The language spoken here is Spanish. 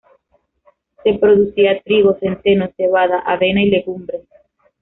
Se producía trigo, centeno, cebada, avena y legumbres.